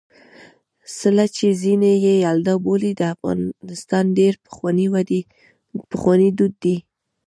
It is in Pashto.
څِله چې ځيني يې یلدا بولي د افغانستان ډېر پخوانی دود دی.